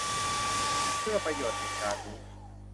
เพื่อประโยชน์แห่งการนี้